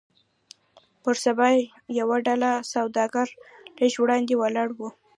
پر سبا يوه ډله سوداګر لږ وړاندې ولاړ وو.